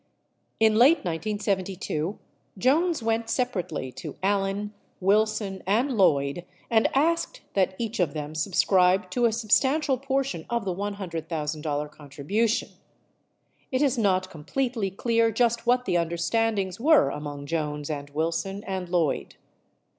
In late 1972, Jones went separately to Allen, Wilson, and Lloyd and asked that each of them subscribe to a substantial portion of the $100,000 contribution. It is not completely clear just what the under standings were among Jones and Wilson and Lloyd.